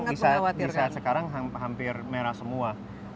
kisah sekarang hampir merah semua